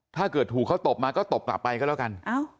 ถ้าเกิดถูกเขาตบมาก็ตบกลับไปก็แล้วกัน